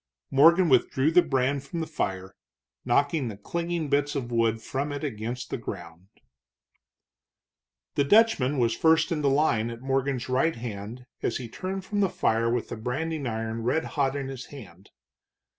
Morgan withdrew the brand from the fire, knocking the clinging bits of wood from it against the ground. The Dutchman was first in the line at Morgan's right hand as he turned from the fire with the branding iron red hot in his hand.